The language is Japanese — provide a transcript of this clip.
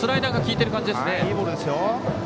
いいボールですよ。